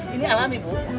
ini alami bu